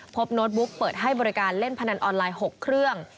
โน้ตบุ๊กเปิดให้บริการเล่นพนันออนไลน์๖เครื่อง